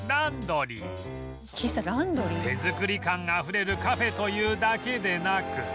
手作り感があふれるカフェというだけでなく